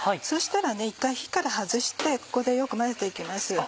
そしたら一回火から外してここでよく混ぜて行きます。